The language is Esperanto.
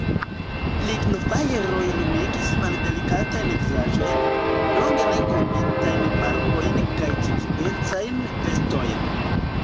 Lignofajroj lumigis maldelikatajn vizaĝojn, longe ne kombitajn barbojn kaj ĉiuspecajn vestojn.